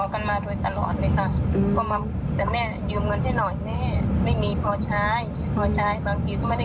คุณแม่ขายของด้วยใช่ไหมคะ